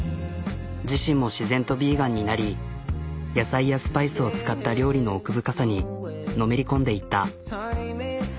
自身も自然とヴィーガンになり野菜やスパイスを使った料理の奥深さにのめり込んでいった。